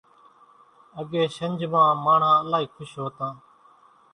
اڳيَ شنجھ مان ماڻۿان الائِي کُش هوتان۔